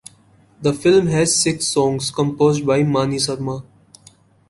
The film has six songs composed by Mani Sharma.